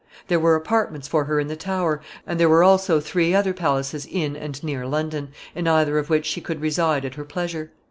There were apartments for her in the Tower, and there were also three other palaces in and near London, in either of which she could reside at her pleasure.